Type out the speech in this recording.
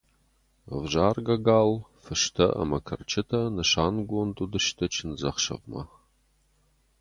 Ӕвзаргӕ гал, фыстӕ ӕмӕ кӕрчытӕ нысангонд уыдысты чындзӕхсӕвмӕ.